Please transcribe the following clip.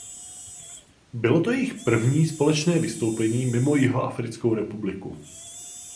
Bylo to jejich první společné vystoupení mimo Jihoafrickou republiku.